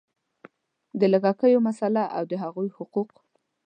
د لږکیو مسله او د هغوی حقوق